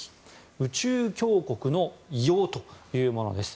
「宇宙強国の威容」というものです。